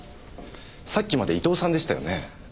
さっきまで伊藤さんでしたよね？